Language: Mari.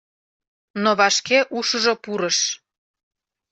Но вашке ушыжо пурыш.